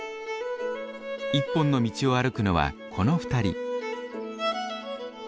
一本の道を歩くのはこの２人。